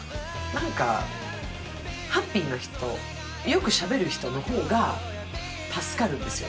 なんかハッピーな人よくしゃべる人の方が助かるんですよ。